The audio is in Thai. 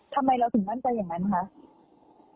ทำไมเราถึงมั่นใจอย่างนั้นคะ